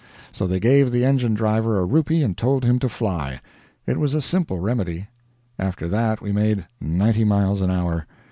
So they gave the engine driver a rupee and told him to fly. It was a simple remedy. After that we made ninety miles an hour.